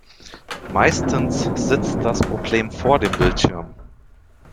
Meistens sitzt das Problem vor dem Bildschirm.